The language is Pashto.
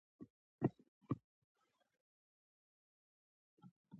علي دوولس کاله ښوونځی لوستی اوس هم کتې پتې لیکي.